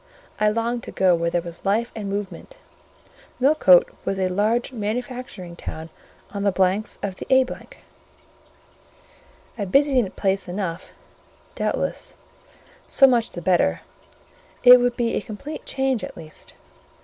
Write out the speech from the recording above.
I longed to go where there was life and movement: Millcote was a large manufacturing town on the banks of the A——: a busy place enough, doubtless: so much the better; it would be a complete change at least.